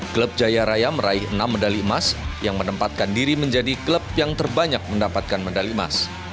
klub jaya raya meraih enam medali emas yang menempatkan diri menjadi klub yang terbanyak mendapatkan medali emas